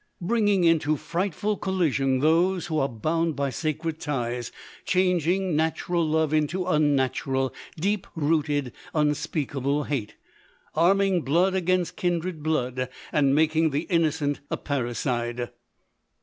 Bringing into frightful collision those who are ©©© bound by sacred ties — changing natural love into unnatural, deep rooted, unspeakable hate — arming blood against kindred blood — and ©© making the innocent a parricide.